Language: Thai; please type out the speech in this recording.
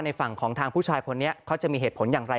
ฝั่งของทางผู้ชายคนนี้เขาจะมีเหตุผลอย่างไร